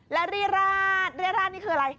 และเรี้ยราศเรี้ยราศคืออะไร